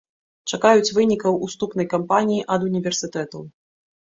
Чакаюць вынікаў уступнай кампаніі ад універсітэтаў.